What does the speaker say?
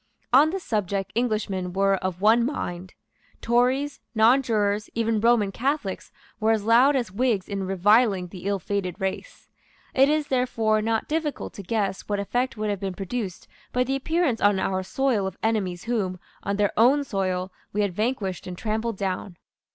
On this subject Englishmen were of one mind. Tories, Nonjurors, even Roman Catholics, were as loud as Whigs in reviling the ill fated race. It is, therefore, not difficult to guess what effect would have been produced by the appearance on our soil of enemies whom, on their own soil, we had vanquished and trampled down.